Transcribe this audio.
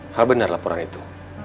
apa benar laporan itu